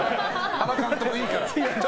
原監督はいいから。